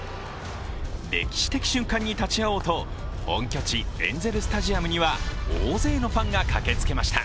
歴史的瞬間に立ち会おうと本拠地、エンゼル・スタジアムには大勢のファンが駆けつけました。